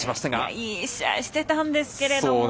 いい試合してたんですけど。